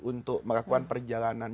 untuk melakukan perjalanan